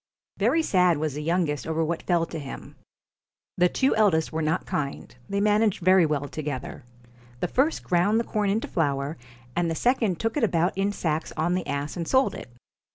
Very sad was the youngest over what fell to him. The two eldest were not kind, they managed very well together. The first ground the corn into flour, and the second took it about in sacks on the ass and sold it.